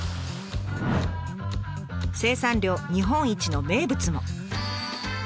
生産量日本一の名物も。